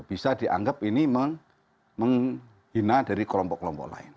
bisa dianggap ini menghina dari kelompok kelompok lain